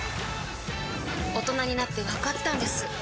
大人になってわかったんです